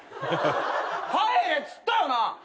帰れっつったよな？